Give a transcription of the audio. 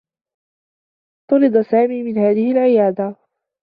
طُرد سامي من هذه العيادة.